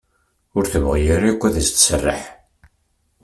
Ur tebɣi ara akk ad as-tesserreḥ.